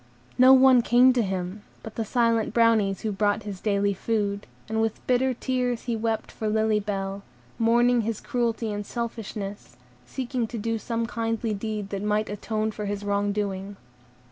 No one came to him, but the silent Brownies who brought his daily food; and with bitter tears he wept for Lily Bell, mourning his cruelty and selfishness, seeking to do some kindly deed that might atone for his wrong doing.